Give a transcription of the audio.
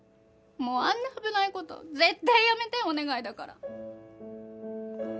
もうあんな危ない事絶対やめてお願いだから。